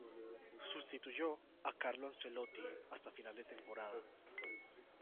Sustituyó a Carlo Ancelotti hasta final de temporada.